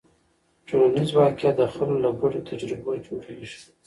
ټولنیز واقیعت د خلکو له ګډو تجربو جوړېږي.